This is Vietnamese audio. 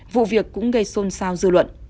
vụ việc cũng gây xôn xao dư luận